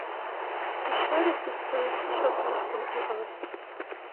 Die Schleudersitze schossen nach unten aus.